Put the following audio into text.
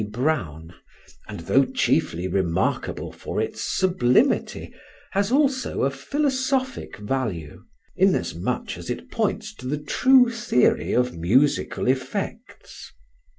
Brown, and though chiefly remarkable for its sublimity, has also a philosophic value, inasmuch as it points to the true theory of musical effects.